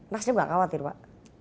nasdem tidak khawatir pak